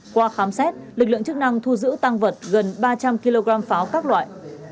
qua khám xét lực lượng chức năng thu giữ tăng vật gần ba trăm linh kg pháo các loại